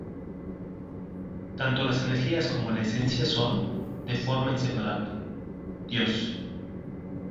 Tanto las energías como la esencia son, de forma inseparable, Dios.